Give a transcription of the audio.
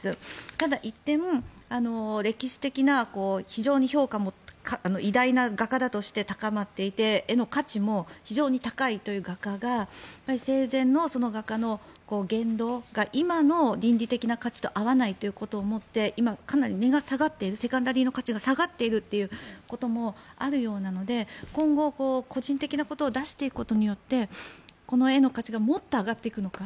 ただ１点、歴史的な非常に評価も偉大な画家だとして高まっていて絵の価値も非常に高いという画家が生前の画家の言動が今の倫理的な価値と合わないということをもって今、かなり値が下がっているセカンダリーの価値が下がっているということもあるようなので今後、個人的なことを出していくことによってこの絵の価値がもっと上がっていくのか